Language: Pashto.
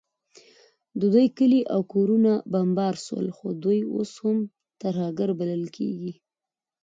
د دوی کلي او کورونه بمبار سول، خو دوی اوس هم ترهګر بلل کیږي